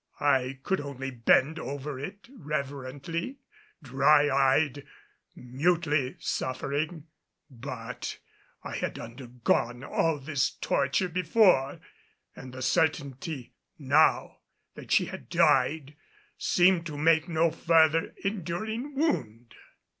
I could only bend over it reverently, dry eyed, mutely suffering. But I had undergone all this torture before, and the certainty now that she had died seemed to make no further enduring wound.